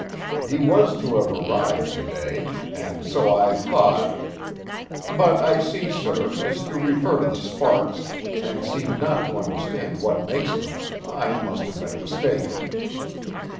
He was to have arrived to day, and so I thought But I see, sir, as you refer to the sparks, and seem not to understand what makes them, I must have been mistaken."